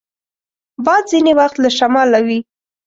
باد ځینې وخت له شماله وي